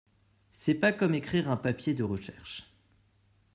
C'est pas comme écrire un papier de recherche.